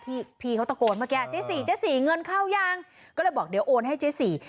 พี่เขาตะโกนเมื่อกี้เจ๊สี่เจ๊สี่เงินเข้ายังก็เลยบอกเดี๋ยวโอนให้เจ๊สี